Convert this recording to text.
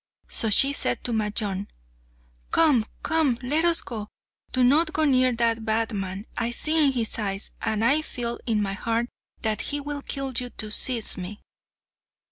So she said to Majnun, "Come, come, let us go; do not go near that bad man. I see in his eyes, and I feel in my heart, that he will kill you to seize me."